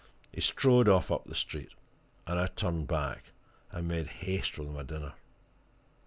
He strode off up the street, and I turned back and made haste with my dinner.